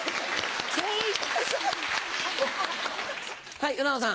はい浦野さん。